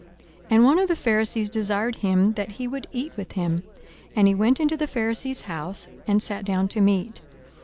42:007:036 And one of the Pharisees desired him that he would eat with him. And he went into the Pharisee's house, and sat down to meat.